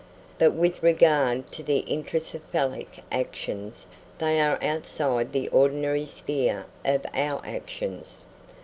But with regard to intracephalic actions, they are outside the ordinary sphere of our actions.